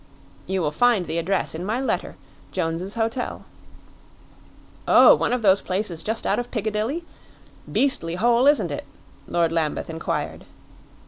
"You will find the address in my letter Jones's Hotel." "Oh, one of those places just out of Piccadilly? Beastly hole, isn't it?" Lord Lambeth inquired.